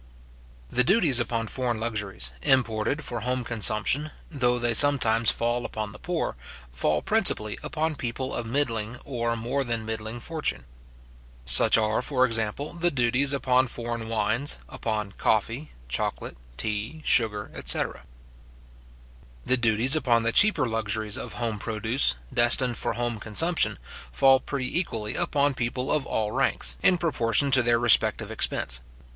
The duties upon foreign luxuries, imported for home consumption, though they sometimes fall upon the poor, fall principally upon people of middling or more than middling fortune. Such are, for example, the duties upon foreign wines, upon coffee, chocolate, tea, sugar, etc. The duties upon the cheaper luxuries of home produce, destined for home consumption, fall pretty equally upon people of all ranks, in proportion to their respective expense.